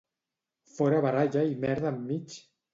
Fora baralla i merda enmig!